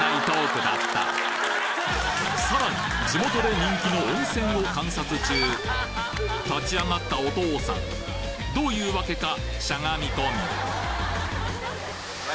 さらに地元で人気の温泉を観察中立ち上がったお父さんどういう訳かしゃがみ込み